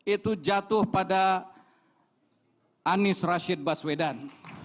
itu jatuh pada anies rashid baswedan